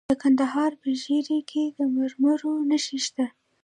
د کندهار په ژیړۍ کې د مرمرو نښې شته.